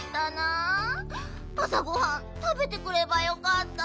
あさごはんたべてくればよかった。